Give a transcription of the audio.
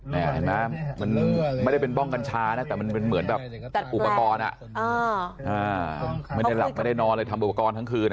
นี่เห็นไหมมันไม่ได้เป็นบ้องกัญชานะแต่มันเป็นเหมือนแบบอุปกรณ์ไม่ได้หลับไม่ได้นอนเลยทำอุปกรณ์ทั้งคืน